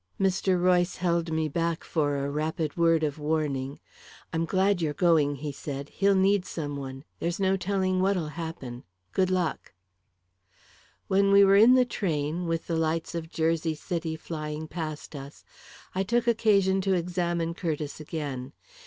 Mr. Royce held me back for a rapid word of warning. "I'm glad you're going," he said. "He'll need some one. There's no telling what'll happen. Good luck!" When we were in the train, with the lights of Jersey City flying past us, I took occasion to examine Curtiss again.